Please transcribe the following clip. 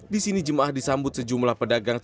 di sini jemaah disambut sejumlah pedagang